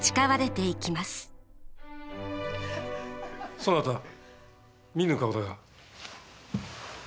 そなた見ぬ顔だが。